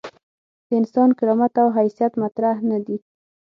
د انسان کرامت او حیثیت مطرح نه دي.